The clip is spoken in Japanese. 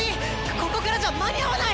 ここからじゃ間に合わない！